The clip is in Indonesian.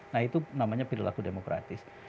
nah itu namanya perilaku demokratis